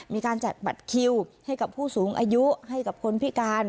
แจกบัตรคิวให้กับผู้สูงอายุให้กับคนพิการ